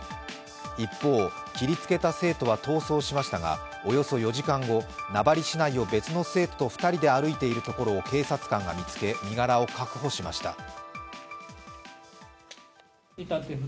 一方、切りつけた生徒は逃走しましたがおよそ４時間後、名張市内を別の生徒と２人で歩いているところを警察官が見つけ、身柄を確保しました。